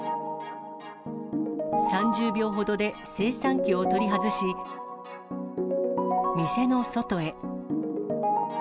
３０秒ほどで精算機を取り外し、店の外へ。